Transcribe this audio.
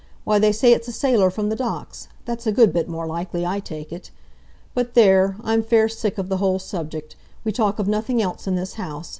Why, they say it's a sailor from the Docks—that's a good bit more likely, I take it. But there, I'm fair sick of the whole subject! We talk of nothing else in this house.